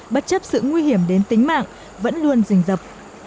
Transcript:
bất chấp sự nguy hiểm đến tính mạng vẫn luôn rình rập